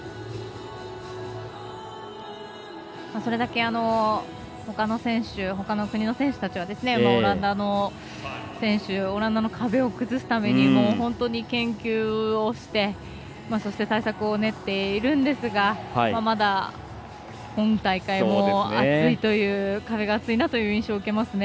それだけほかの国の選手たちはオランダの選手オランダの壁を崩すために本当に研究をしてそして対策を練っているんですがまだ今大会も壁が厚いなという印象を受けますね。